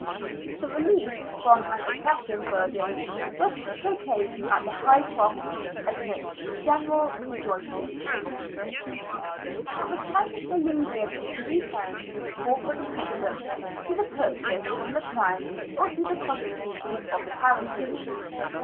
The relief from an oppressive burden was proclaimed at the High Cross amidst general re joicing. 16 SIXTEENTH CENTURY BRISTOL. Not the slightest allusion is to be found in the corporate account books to the purchases from the Crown or to the contributions of the parishes.